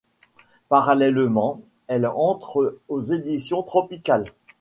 Parallèlement, elle entre aux éditions Tropicales.